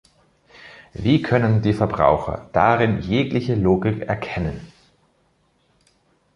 Wie können die Verbraucher darin jegliche Logik erkennen?